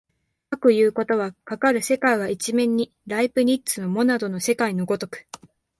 かくいうことは、かかる世界は一面にライプニッツのモナドの世界の如く